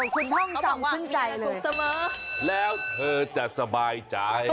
คุณท่องจำขึ้นใจสุขเสมอแล้วเธอจะสบายใจ